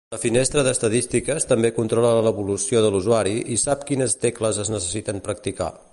La finestra d'estadístiques també controla l'evolució de l'usuari i sap quines tecles es necessiten practicar.